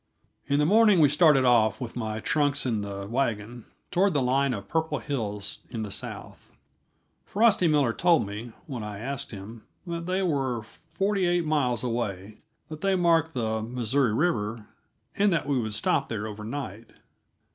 In the morning we started off, with my trunks in the wagon, toward the line of purple hills in the south. Frosty Miller told me, when I asked him, that they were forty eight miles away, that they marked the Missouri River, and that we would stop there overnight.